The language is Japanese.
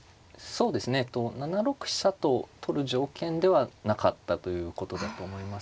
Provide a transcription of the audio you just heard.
そうですねえっと７六飛車と取る条件ではなかったということだと思います。